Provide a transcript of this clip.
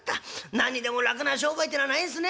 何にでも楽な商売ってのはないんすね。